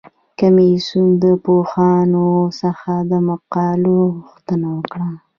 کمیسیون د پوهانو څخه د مقالو غوښتنه وکړه.